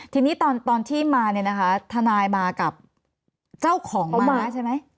ทีนี้ตอนที่มาเนี่ยนะคะทนายมากับเจ้าของม้าใช่ไหม